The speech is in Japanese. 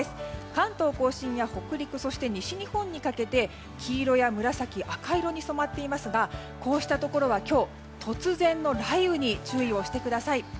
関東・甲信や北陸西日本にかけて黄色や紫赤色に染まっていますがこうしたところは今日突然の雷雨に注意してください。